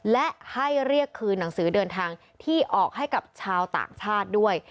และให้เรียกคืนหนังสือเดินทางที่ออกให้กับชาวต่างชาติด้วย